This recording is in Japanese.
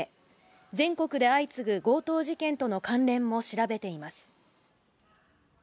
全国で相次ぐ強盗事件との関連も調べています。